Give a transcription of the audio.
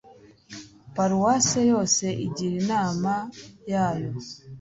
paruwase yose igira inama yayo